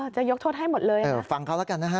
จะยกโทษให้หมดเลยนะ